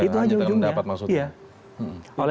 itu saja ujungnya